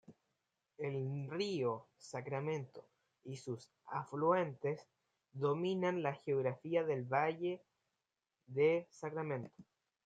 El Río Sacramento y sus afluentes dominan la geografía del valle de Sacramento.